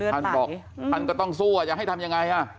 ท่านบอกท่านก็ต้องสู้จะให้ทำยังไง